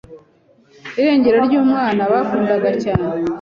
irengero ry’umwana bakundaga cyane